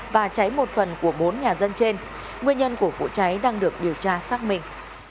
và cháy một phần của bốn nhà dân trên nguyên nhân của vụ cháy đang được điều tra xác minh